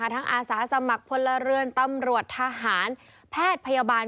อาสาสมัครพลเรือนตำรวจทหารแพทย์พยาบาล